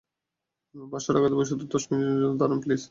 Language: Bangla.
পাঁচশ টাকা দিব, শুধু দশ মিনিটের জন্য দাঁড়ান প্লীজ।